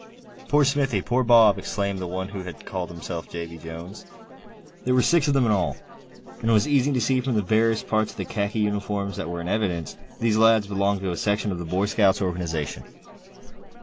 "Poor Smithy; poor Bob!" exclaimed the one who had called himself Davy Jones. There were six of them in all, and it was easy to see from the various parts of the khaki uniforms that were in evidence, these lads belonged to a section of the Boy Scout organization.